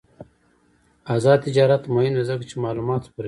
آزاد تجارت مهم دی ځکه چې معلومات خپروي.